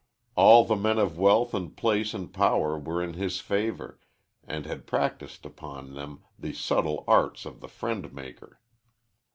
All the men of wealth and place and power were in his favor, and had practised upon them the subtle arts of the friend maker.